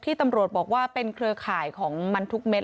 ตำรวจบอกว่าเป็นเครือข่ายของมันทุกเม็ด